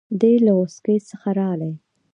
دی له غوڅکۍ څخه رالی.